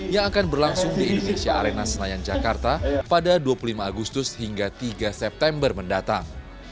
yang akan berlangsung di indonesia arena senayan jakarta pada dua puluh lima agustus hingga tiga september mendatang